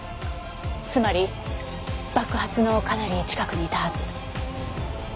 つまり爆発のかなり近くにいたはず。